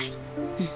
うん。